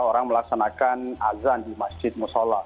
orang melaksanakan azan di masjid musola